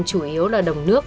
chủ yếu là đồng nước